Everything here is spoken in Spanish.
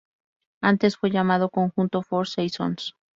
Antes fue llamado conjunto "Four Seasons".